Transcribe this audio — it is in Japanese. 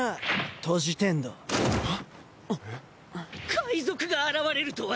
界賊が現れるとは！